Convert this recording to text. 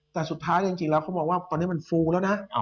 แต่สุดท้ายจริงแล้วเขามองว่าตอนนี้มันฟูแล้วนะ